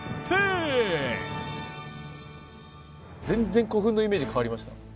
全然古墳のイメージ変わりました。